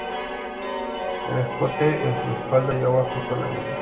El escote en su espalda, llegaba justo a la gloria.